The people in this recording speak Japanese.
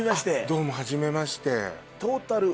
どうもはじめまして。